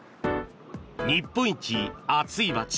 日本一暑い街